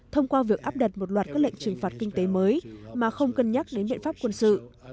thông qua việc áp đặt một loạt các lệnh trừng phạt kinh tế mới mà không cân nhắc đến biện pháp quân sự